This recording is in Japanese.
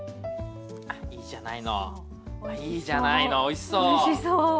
あいいじゃないのいいじゃないのおいしそう。